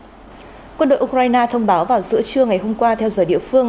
quân đội ukraine thông báo vào giữa trưa ngày hôm qua theo giờ địa phương